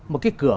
một cái cửa